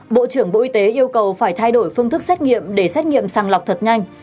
bộ trưởng bộ y tế yêu cầu phải thay đổi phương thức xét nghiệm để xét nghiệm sàng lọc thật nhanh